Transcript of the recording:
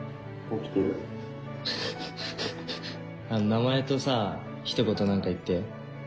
名前とさ一言何か言って。